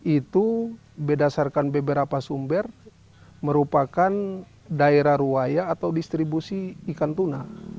itu berdasarkan beberapa sumber merupakan daerah ruaya atau distribusi ikan tuna